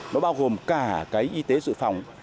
nó bao gồm cả y tế dự phòng